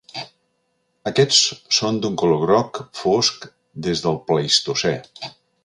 Aquests són d'un color groc fosc des del pleistocè.